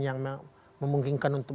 yang memungkinkan untuk